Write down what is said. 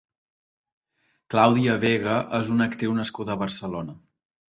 Claudia Vega és una actriu nascuda a Barcelona.